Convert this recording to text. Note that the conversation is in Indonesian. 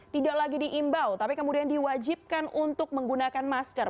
tidak lagi diimbau tapi kemudian diwajibkan untuk menggunakan masker